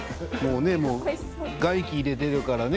外気を入れているからね。